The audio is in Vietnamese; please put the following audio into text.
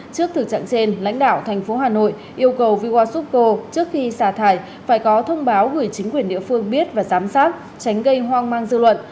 trước thực trạng trên lãnh đạo thành phố hà nội yêu cầu viwa subco trước khi xả thải phải có thông báo gửi chính quyền địa phương biết và giám sát tránh gây hoang mang dư luận